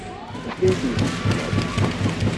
Anda ay tent-tgezmeḍ?